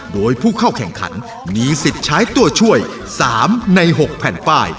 โดยผู้เข้าแข่งขันมีสิทธิ์ใช้ตัวช่วย๓ใน๖แผ่นป้าย